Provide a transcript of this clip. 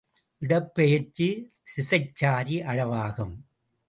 இடப்பெயர்ச்சி திசைச்சாரி அளவாகும்.